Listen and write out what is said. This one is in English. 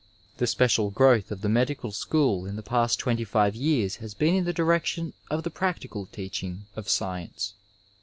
The special growth of the medical school m the past 25 years has been in the direction of the practical teaching of science.